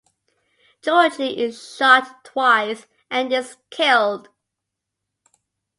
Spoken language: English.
Georgie is shot twice and is killed.